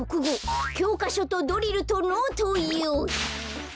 きょうかしょとドリルとノートをようい！